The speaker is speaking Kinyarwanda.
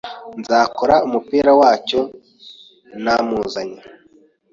Nzakora umupira wacyo namuzanye